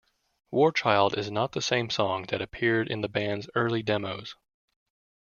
"Warchild" is not the same song that appeared in the band's early demos.